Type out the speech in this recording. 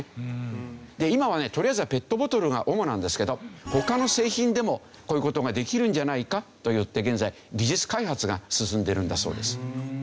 今はねとりあえずはペットボトルが主なんですけど他の製品でもこういう事ができるんじゃないかといって現在技術開発が進んでいるんだそうです。